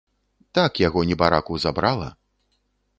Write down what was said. Так яго, небараку, забрала.